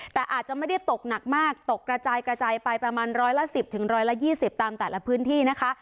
แต่อาจจะไม่ได้ตกหนักมากตกกระจายไปประมาณ๑๑๐ถึง๑๒๐ตามแต่ละพื้นที่นะคะ